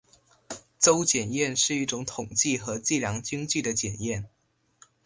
邹检验是一种统计和计量经济的检验。